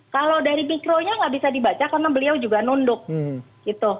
kalau dari mikronya nggak bisa dibaca karena beliau juga nunduk gitu